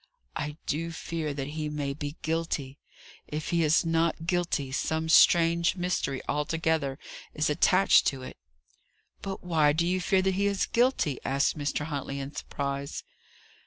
"I do fear that he may be guilty. If he is not guilty, some strange mystery altogether is attached to it." "But why do you fear that he is guilty?" asked Mr. Huntley, in surprise.